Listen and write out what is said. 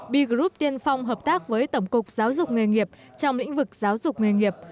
b group tiên phong hợp tác với tổng cục giáo dục nghề nghiệp trong lĩnh vực giáo dục nghề nghiệp